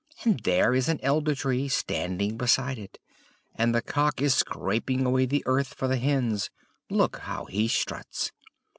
And there is an Elder Tree standing beside it; and the cock is scraping away the earth for the hens, look, how he struts!